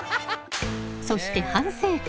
そして反省会。